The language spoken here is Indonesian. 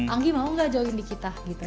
anggi mau gak join di kita gitu